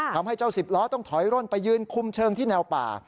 ทำให้เจ้าสิบล้อต้องถอยร่นไปยืนคุมเชิงที่แนวป่า